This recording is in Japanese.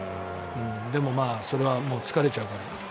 でも、それは疲れちゃうから。